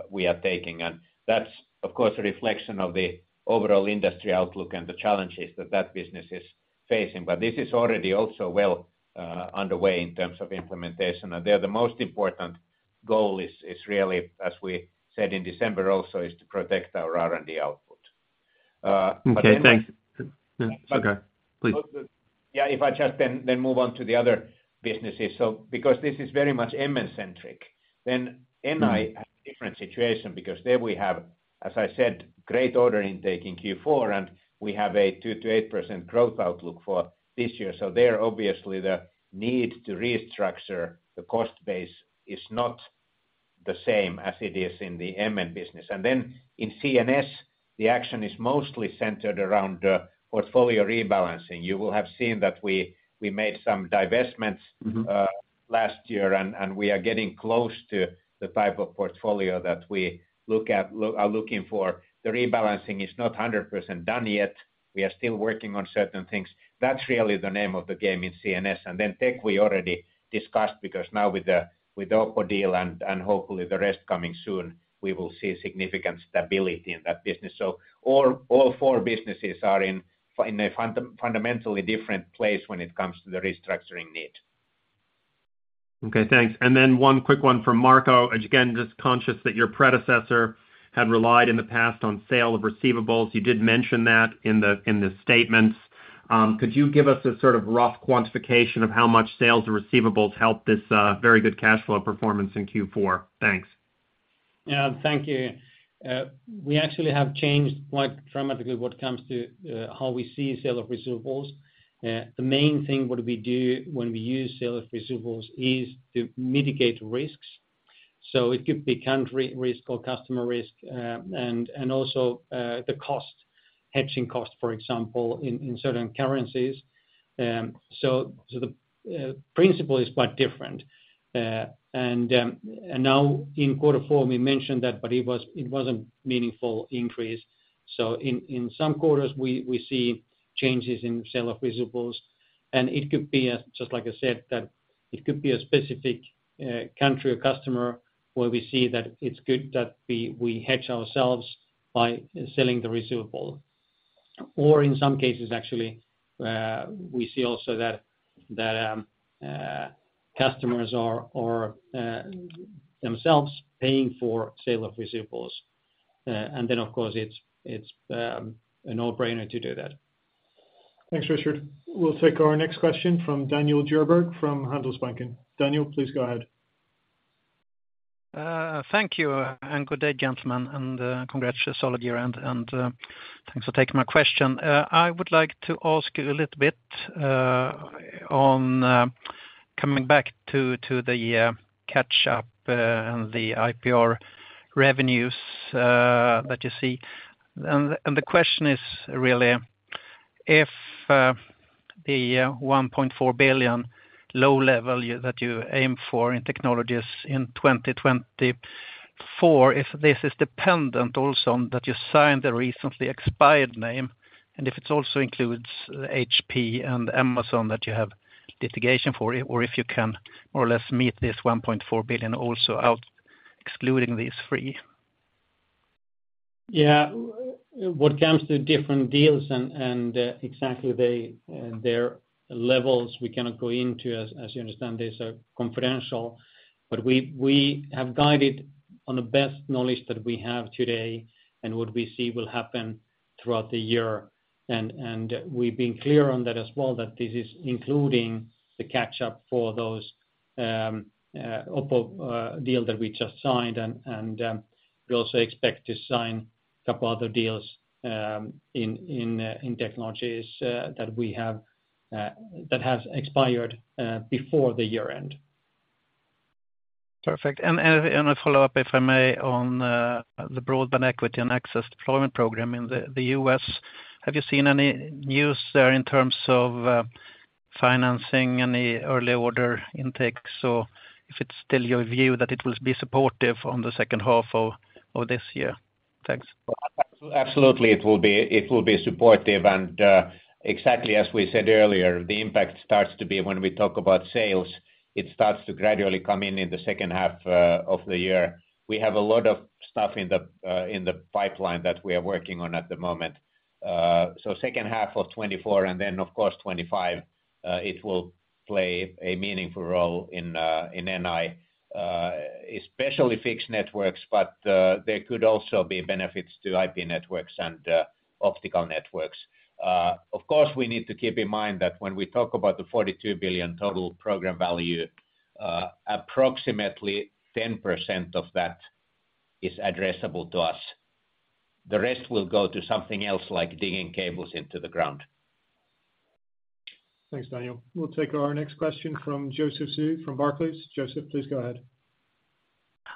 we are taking, and that's, of course, a reflection of the overall industry outlook and the challenges that that business is facing. But this is already also well underway in terms of implementation. And there, the most important goal is, is really, as we said in December also, is to protect our R&D output. But- Okay, thanks. Yeah. Okay, please. Yeah, if I just then, then move on to the other businesses. So because this is very much MN centric, then- Mm-hmm. NI has a different situation because there we have, as I said, great order intake in Q4, and we have a 2%-8% growth outlook for this year. So there, obviously, the need to restructure the cost base is not the same as it is in the MN business. And then in CNS, the action is mostly centered around portfolio rebalancing. You will have seen that we made some divestments- Mm-hmm. Last year, and we are getting close to the type of portfolio that we look at, are looking for. The rebalancing is not 100% done yet. We are still working on certain things. That's really the name of the game in CNS. And then Tech, we already discussed, because now with the OPPO deal and hopefully the rest coming soon, we will see significant stability in that business. So all four businesses are in a fundamentally different place when it comes to the restructuring need. Okay, thanks. And then one quick one from Marco. Again, just conscious that your predecessor had relied in the past on sale of receivables. You did mention that in the statements. Could you give us a sort of rough quantification of how much sales of receivables helped this very good cash flow performance in Q4? Thanks. Yeah. Thank you. We actually have changed quite dramatically what comes to how we see sale of receivables. The main thing what we do when we use sale of receivables is to mitigate risks. So it could be country risk or customer risk, and also the cost, hedging cost, for example, in certain currencies. So the principle is quite different. And now in quarter four, we mentioned that, but it wasn't meaningful increase. So in some quarters, we see changes in sale of receivables, and it could be, just like I said, that it could be a specific country or customer, where we see that it's good that we hedge ourselves by selling the receivable. Or in some cases, actually, we see also that customers are themselves paying for sale of receivables. And then, of course, it's a no-brainer to do that.... Thanks, Richard. We'll take our next question from Daniel Djurberg from Handelsbanken. Daniel, please go ahead. Thank you, and good day, gentlemen, and congrats on a solid year, and thanks for taking my question. I would like to ask you a little bit on coming back to the catch up and the IPR revenues that you see. The question is really if the 1.4 billion low level, you that you aim for in Technologies in 2024, if this is dependent also on that you signed the recently expired name, and if it also includes HP and Amazon that you have litigation for, or if you can more or less meet this 1.4 billion also without excluding these three? Yeah. What comes to different deals and, and, exactly they, their levels, we cannot go into. As you understand, these are confidential. But we have guided on the best knowledge that we have today and what we see will happen throughout the year. And we've been clear on that as well, that this is including the catch up for those, OPPO deal that we just signed. And we also expect to sign a couple other deals in Technologies that we have that have expired before the year end. Perfect. And a follow-up, if I may, on the Broadband Equity and Access Deployment Program in the U.S. Have you seen any news there in terms of financing, any early order intakes, or if it's still your view that it will be supportive in the second half of this year? Thanks. Well, absolutely it will be, it will be supportive. Exactly as we said earlier, the impact starts to be when we talk about sales, it starts to gradually come in in the second half of the year. We have a lot of stuff in the pipeline that we are working on at the moment. So second half of 2024 and then, of course, 2025, it will play a meaningful role in NI, especially Fixed Networks, but there could also be benefits to IP Networks and Optical Networks. Of course, we need to keep in mind that when we talk about the $42 billion total program value, approximately 10% of that is addressable to us. The rest will go to something else, like digging cables into the ground. Thanks, Daniel. We'll take our next question from Joseph Zhou from Barclays. Joseph, please go ahead.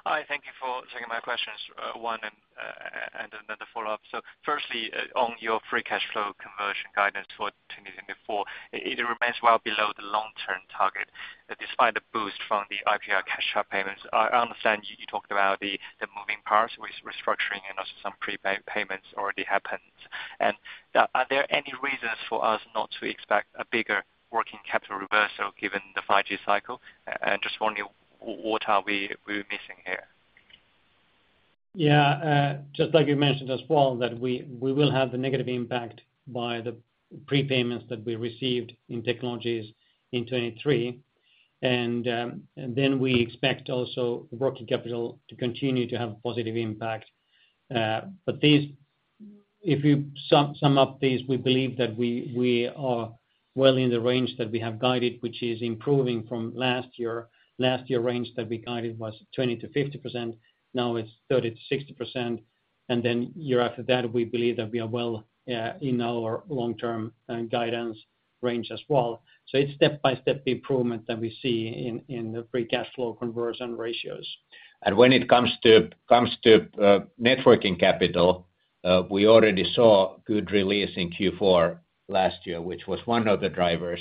Hi, thank you for taking my questions, one, and another follow-up. So firstly, on your free cash flow conversion guidance for 2024, it remains well below the long-term target, despite a boost from the IPR cash payment. I understand you talked about the moving parts with restructuring and also some prepaid payments already happened. And are there any reasons for us not to expect a bigger working capital reversal given the 5G cycle? And just wondering what we're missing here? Yeah, just like you mentioned as well, that we will have the negative impact by the prepayments that we received in Technologies in 2023. And then we expect also working capital to continue to have a positive impact. But these—if you sum up these, we believe that we are well in the range that we have guided, which is improving from last year. Last year range that we guided was 20%-50%, now it's 30%-60%, and then year after that, we believe that we are well in our long-term guidance range as well. So it's step-by-step improvement that we see in the free cash flow conversion ratios. When it comes to net working capital, we already saw good release in Q4 last year, which was one of the drivers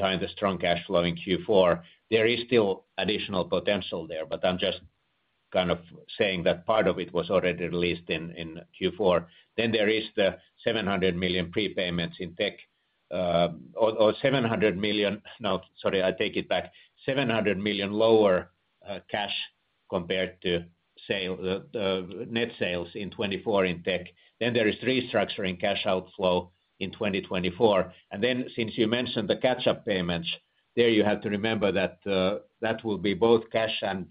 behind the strong cash flow in Q4. There is still additional potential there, but I'm just kind of saying that part of it was already released in Q4. Then there is the 700 million prepayments in tech. No, sorry, I take it back. 700 million lower cash compared to sales, net sales in 2024 in tech. Then there is restructuring cash outflow in 2024. And then since you mentioned the catch-up payments, there you have to remember that that will be both cash and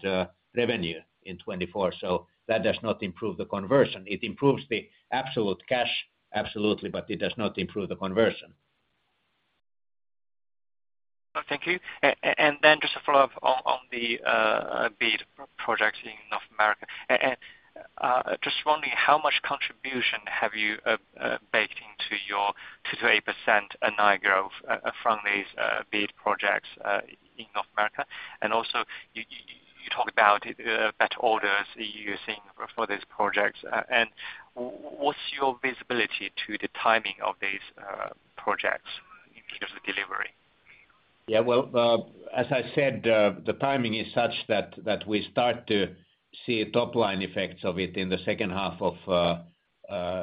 revenue in 2024. So that does not improve the conversion. It improves the absolute cash, absolutely, but it does not improve the conversion. Oh, thank you. And then just a follow-up on the BEAD projects in North America. And just wondering, how much contribution have you baked into your 2%-8% NI growth from these BEAD projects in North America? And also, you talked about better orders you are seeing for these projects. And what's your visibility to the timing of these projects in terms of delivery? Yeah, well, as I said, the timing is such that we start to see top-line effects of it in the second half of,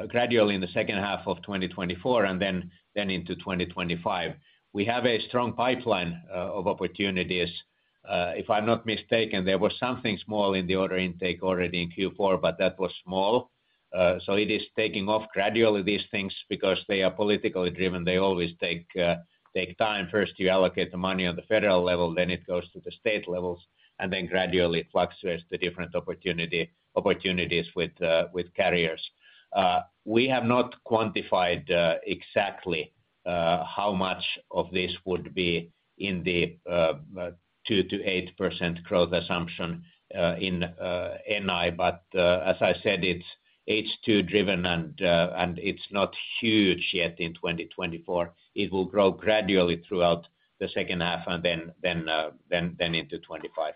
gradually in the second half of 2024, and then into 2025. We have a strong pipeline of opportunities. If I'm not mistaken, there was something small in the order intake already in Q4, but that was small. So it is taking off gradually, these things, because they are politically driven, they always take time. First, you allocate the money on the federal level, then it goes to the state levels, and then gradually it fluctuates to different opportunities with carriers. We have not quantified exactly how much of this would be in the 2%-8% growth assumption in NI. But as I said, it's H2 driven, and it's not huge yet in 2024. It will grow gradually throughout the second half and then into 2025.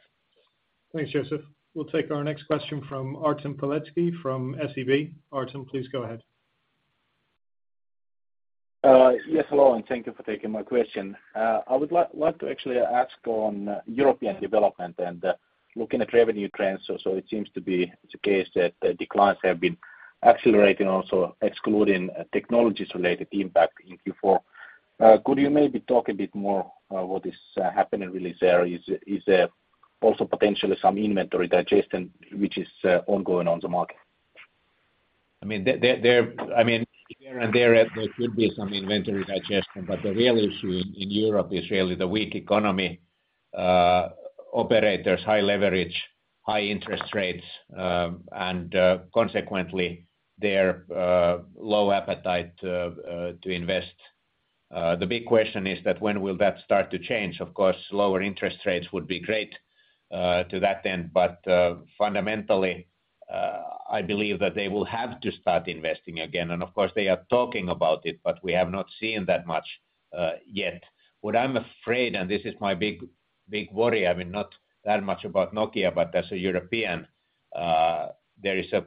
Thanks, Joseph. We'll take our next question from Artem Beletski, from SEB. Artem, please go ahead. Yes, hello, and thank you for taking my question. I would like to actually ask on European development and, looking at revenue trends. So, it seems to be the case that the declines have been accelerating, also excluding Technologies-related impact in Q4. Could you maybe talk a bit more on what is happening really there? Is there also potentially some inventory digestion, which is ongoing on the market? I mean, here and there, there could be some inventory digestion, but the real issue in Europe is really the weak economy, operators, high leverage, high interest rates, and consequently their low appetite to invest. The big question is that, when will that start to change? Of course, lower interest rates would be great to that end, but fundamentally, I believe that they will have to start investing again. And, of course, they are talking about it, but we have not seen that much yet. What I'm afraid, and this is my big, big worry, I mean, not that much about Nokia, but as a European, there is a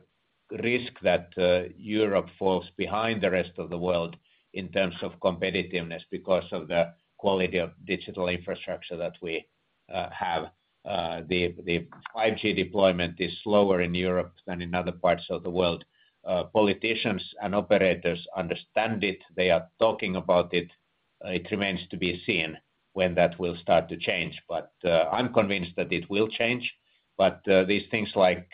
risk that Europe falls behind the rest of the world in terms of competitiveness because of the quality of digital infrastructure that we have. The 5G deployment is slower in Europe than in other parts of the world. Politicians and operators understand it. They are talking about it. It remains to be seen when that will start to change. But, I'm convinced that it will change, but these things like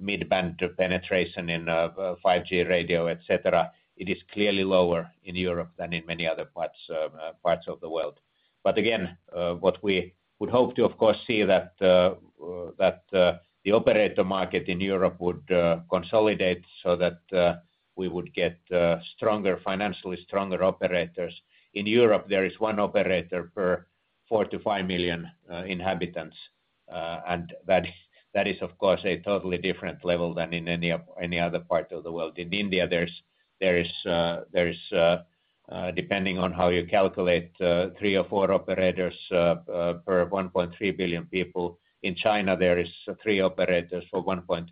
mid-band penetration in 5G radio, et cetera, it is clearly lower in Europe than in many other parts of the world. But again, what we would hope to, of course, see that the operator market in Europe would consolidate so that we would get stronger, financially stronger operators. In Europe, there is one operator per 4-5 million inhabitants, and that is, of course, a totally different level than in any other part of the world. In India, there is, depending on how you calculate, three or four operators per 1.3 billion people. In China, there is three operators for 1.3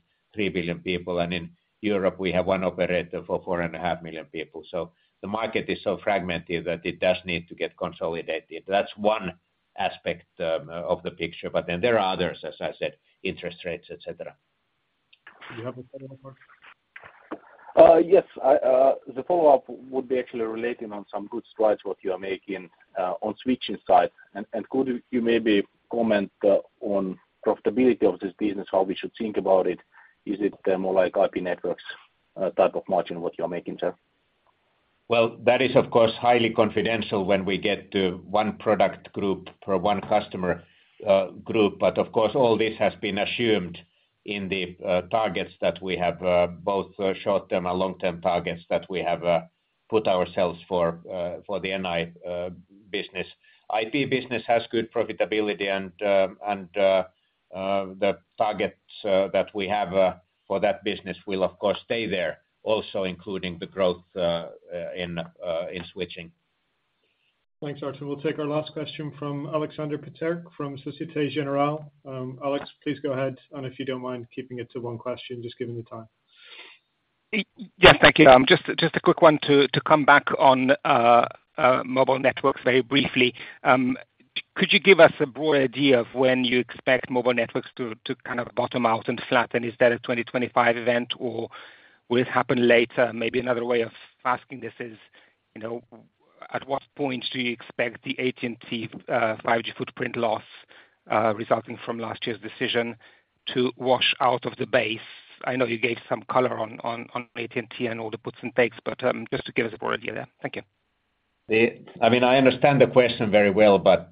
billion people, and in Europe, we have one operator for 4.5 million people. So the market is so fragmented that it does need to get consolidated. That's one aspect of the picture, but then there are others, as I said, interest rates, et cetera. Do you have a follow-up, Artem? Yes, the follow-up would be actually relating on some good slides what you are making on switching side. Could you maybe comment on profitability of this business? How should we think about it? Is it more like IP Networks type of margin what you are making, sir? Well, that is, of course, highly confidential when we get to one product group per one customer group. But of course, all this has been assumed in the targets that we have, both short-term and long-term targets that we have put ourselves for the NI business. IP business has good profitability and the targets that we have for that business will, of course, stay there, also including the growth in switching. Thanks, Artem. We'll take our last question from Alexander Peterc from Société Générale. Alex, please go ahead, and if you don't mind keeping it to one question, just given the time. Yes, thank you. Just a quick one to come back on Mobile Networks very briefly. Could you give us a broad idea of when you expect Mobile Networks to kind of bottom out and flatten? Is that a 2025 event, or will it happen later? Maybe another way of asking this is, you know, at what point do you expect the AT&T 5G footprint loss resulting from last year's decision to wash out of the base? I know you gave some color on AT&T and all the puts and takes, but just to give us a broad idea. Thank you. I mean, I understand the question very well, but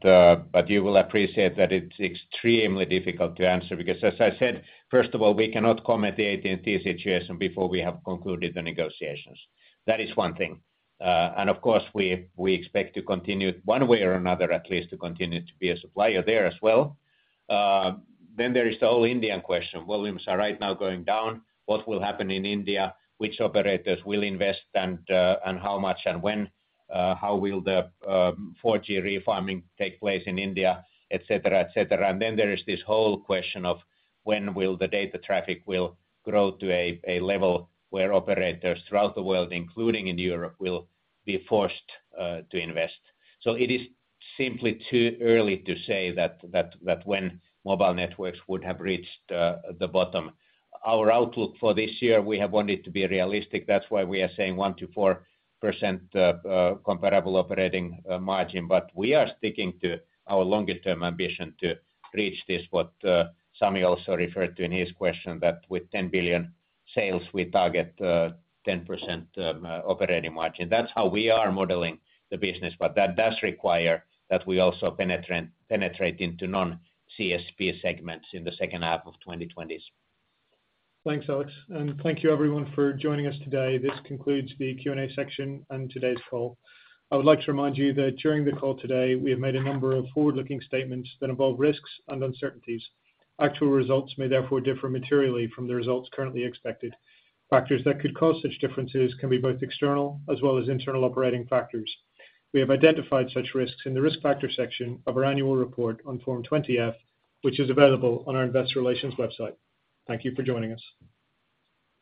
you will appreciate that it's extremely difficult to answer because, as I said, first of all, we cannot comment the AT&T situation before we have concluded the negotiations. That is one thing. And of course, we expect to continue it one way or another, at least to continue to be a supplier there as well. Then there is the whole India question. Volumes are right now going down. What will happen in India? Which operators will invest, and how much and when? How will the 4G refarming take place in India, et cetera, et cetera? And then there is this whole question of when will the data traffic will grow to a level where operators throughout the world, including in Europe, will be forced to invest. So it is simply too early to say that when Mobile Networks would have reached the bottom. Our outlook for this year, we have wanted to be realistic. That's why we are saying 1%-4% comparable operating margin. But we are sticking to our longer term ambition to reach this, what Sami also referred to in his question, that with 10 billion sales, we target 10% operating margin. That's how we are modeling the business, but that does require that we also penetrate into non-CSP segments in the second half of the 2020s. Thanks, Alex, and thank you everyone for joining us today. This concludes the Q&A section on today's call. I would like to remind you that during the call today, we have made a number of forward-looking statements that involve risks and uncertainties. Actual results may therefore differ materially from the results currently expected. Factors that could cause such differences can be both external as well as internal operating factors. We have identified such risks in the risk factor section of our annual report on Form 20-F, which is available on our investor relations website. Thank you for joining us.